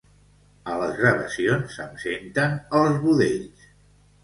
A les gravacions se'm senten els budells